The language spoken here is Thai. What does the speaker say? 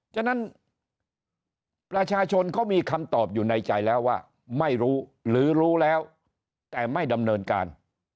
ฉะนั้นประชาชนเขามีคำตอบอยู่ในใจแล้วว่าไม่รู้หรือรู้แล้วแต่ไม่ดำเนินการ